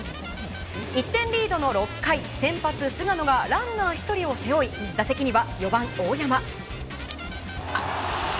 １点リードの６回先発、菅野がランナー１人を背負い打席には４番、大山。